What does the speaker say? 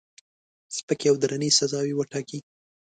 سپکې او درنې سزاوي وټاکي.